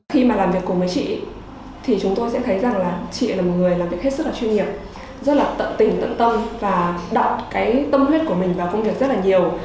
chị là một người làm việc hết sức là chuyên nghiệp rất là tận tình tận tâm và đọc cái tâm huyết của mình vào công việc rất là nhiều